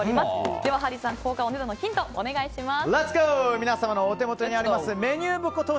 では、ハリーさんお値段のヒントをお願いします。